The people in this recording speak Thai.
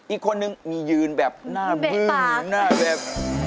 อีกคนนึงมียืนแบบหน้าบื้อหน้าแบบ